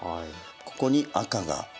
ここに赤が。